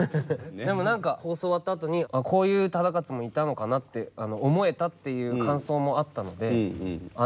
でも何か放送終わったあとにこういう忠勝もいたのかなって思えたっていう感想もあったのであっ